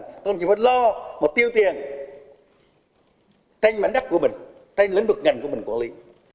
các đồng chí phải lo một tiêu tiền tranh mảnh đắc của mình tranh lĩnh vực ngành của mình quản lý